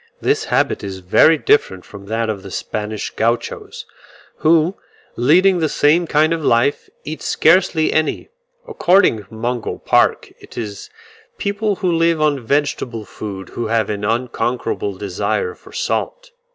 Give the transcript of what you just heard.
This habit is very different from that of the Spanish Gauchos, who, leading the same kind of life, eat scarcely any; according to Mungo Park, it is people who live on vegetable food who have an unconquerable desire for salt.